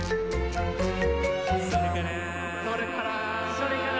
「それから」